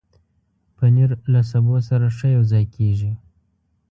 پنېر له سبو سره ښه یوځای کېږي.